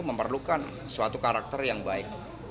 memerlukan suatu karakter yang baik